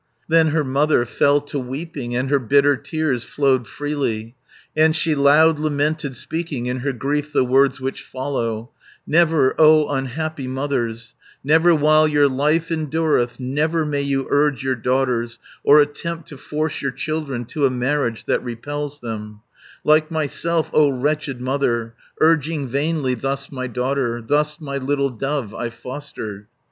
Then her mother fell to weeping, And her bitter tears flowed freely, And she loud lamented, speaking In her grief the words which follow: "Never, O unhappy mothers, Never while your life endureth, 440 Never may you urge your daughters, Or attempt to force your children To a marriage that repels them, Like myself, O wretched mother, Urging vainly thus my daughter, Thus my little dove I fostered."